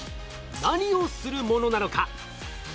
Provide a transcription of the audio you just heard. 何をするものなのか？